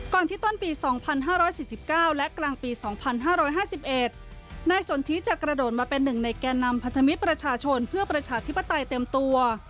ที่ต้นปี๒๕๔๙และกลางปี๒๕๕๑นายสนทิจะกระโดดมาเป็นหนึ่งในแก่นำพันธมิตรประชาชนเพื่อประชาธิปไตยเต็มตัว